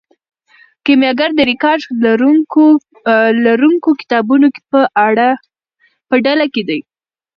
کیمیاګر د ریکارډ لرونکو کتابونو په ډله کې دی.